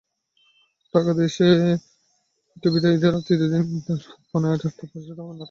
টাকাদেশ টিভিতে ঈদের তৃতীয় দিন রাত পৌনে আটটায় প্রচারিত হবে নাটক টাকা।